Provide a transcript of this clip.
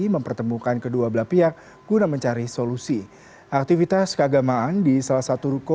mempertemukan kedua belah pihak guna mencari solusi aktivitas keagamaan di salah satu ruko